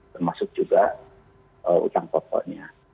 termasuk juga utang pokoknya